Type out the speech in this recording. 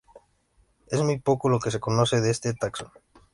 Es muy poco lo que se conoce de este taxón.